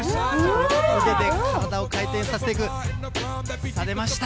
腕で体を回転させていく、さあ、出ました。